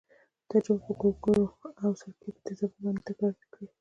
تجربه په ګوګړو او سرکې په تیزابونو باندې تکرار کړئ.